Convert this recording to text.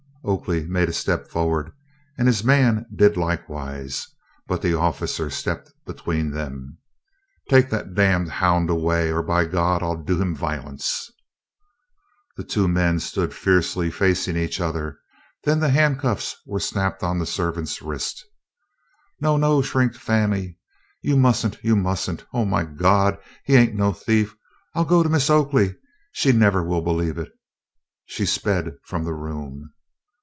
Oakley made a step forward, and his man did likewise, but the officer stepped between them. "Take that damned hound away, or, by God! I 'll do him violence!" The two men stood fiercely facing each other, then the handcuffs were snapped on the servant's wrist. "No, no," shrieked Fannie, "you must n't, you must n't. Oh, my Gawd! he ain 't no thief. I 'll go to Mis' Oakley. She nevah will believe it." She sped from the room.